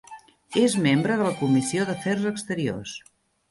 És membre de la Comissió d'Afers Exteriors.